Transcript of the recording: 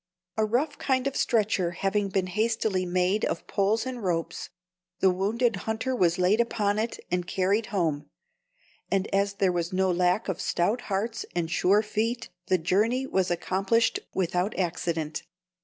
A rough kind of stretcher having been hastily made of poles and ropes, the wounded hunter was laid upon it and carried home; and as there was no lack of stout hearts and sure feet, the journey was accomplished without accident.